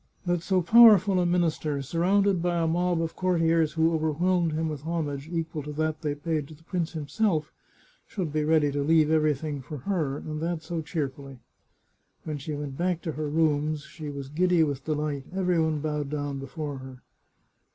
That so powerful a minister, sur rounded by a mob of courtiers who overwhelmed him with homage equal to that they paid to the prince himself, should be ready to leave everything for her, and that so cheer fully ! When she went back to her rooms she was giddy with delight; every one bowed down before her.